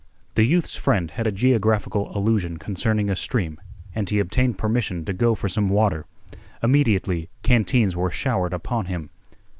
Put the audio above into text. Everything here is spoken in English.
The youth's friend had a geographical illusion concerning a stream, and he obtained permission to go for some water. Immediately canteens were showered upon him.